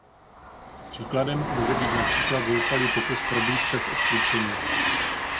Příkladem může být například zoufalý pokus probít se z obklíčení.